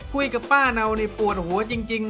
คุยกับป้าเนานี่ปวดหัวจริง